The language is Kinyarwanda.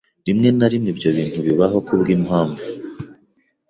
Rimwe na rimwe ibyo bintu bibaho kubwimpamvu.